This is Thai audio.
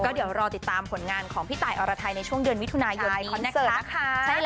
ก็เดี๋ยวรอติดตามผลงานของพี่ตายอรทัยในช่วงเดือนวิทยุนายนคอนเสิร์ตนะคะ